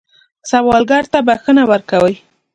سوالګر ته بښنه ورکوئ